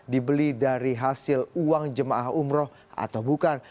dibeli dari hasil uang jemaah umroh atau bukan